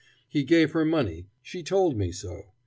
He gave her money she told me so.